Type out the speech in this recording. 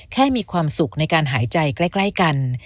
มีความสุขในการหายใจใกล้กัน